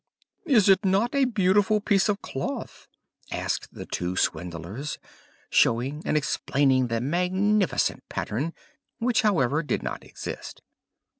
"Is it not a beautiful piece of cloth?" asked the two swindlers, showing and explaining the magnificent pattern, which, however, did not exist.